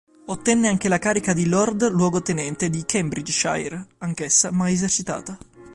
Ottenne anche la carica di Lord Luogotenente di Cambridgeshire, anch'essa mai esercitata.